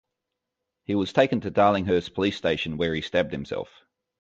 He was taken to Darlinghurst Police Station where he stabbed himself.